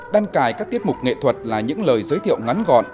đan cài các tiết mục nghệ thuật là những lời giới thiệu ngắn gọn